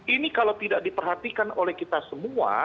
ini kalau tidak diperhatikan oleh kita semua